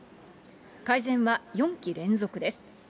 改善は４期連続です。